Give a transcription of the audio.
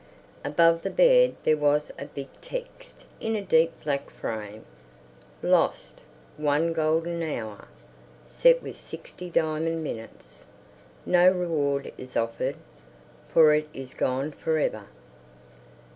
Above the bed there was a big text in a deep black frame:— Lost! One Golden Hour Set with Sixty Diamond Minutes. No Reward Is Offered For It Is Gone For Ever!